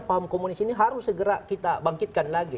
paham komunis ini harus segera kita bangkitkan lagi